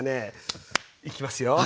いきますよ。